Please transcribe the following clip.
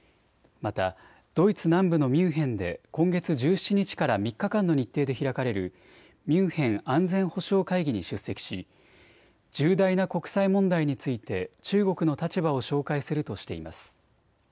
またドイツ南部のミュンヘンで今月１７日から３日間の日程で開かれるミュンヘン安全保障会議に出席し重大な国際問題について中国の立場を紹介するとしています。